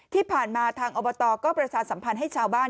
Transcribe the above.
ที่ผ่านมาทางอบตก็ประชาสัมพันธ์ให้ชาวบ้าน